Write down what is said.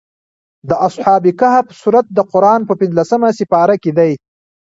د اصحاب کهف سورت د قران په پنځلسمه سېپاره کې دی.